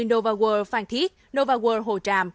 novaworld phan thiết novaworld hồ tràm